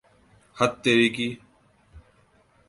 ہت تیرے کی!